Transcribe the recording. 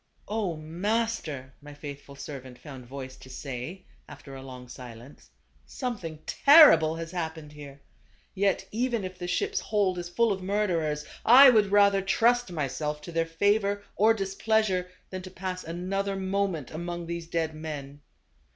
" 0, master !" my faithful servant found voice to say after a long silence, "something terrible has happened here. Yet even if the ship's hold is full of murderers, I would rather trust myself to their favor or displeasure, than to pass another moment among these dead men."